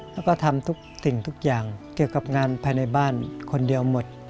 แล้วก็ทำทุกสิ่งทุกอย่างเกี่ยวกับงานภายในบ้านคนเดียวหมด